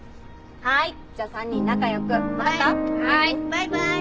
バイバイ。